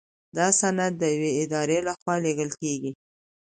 دا سند د یوې ادارې لخوا لیږل کیږي.